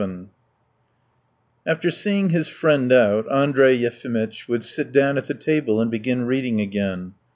VII After seeing his friend out Andrey Yefimitch would sit down at the table and begin reading again.